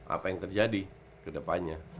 apa yang terjadi kedepannya